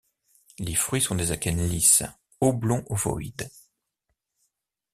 Les fruits sont des akènes lisses, oblongs-ovoïdes.